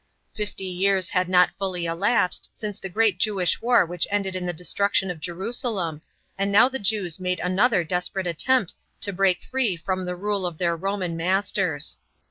Fnty years had not fully elapsed since the great Jewish war which ended in ihe destruction of Jerusalem, and now the Jews made another desperate attempt to break tree from the rule of their Roman masters.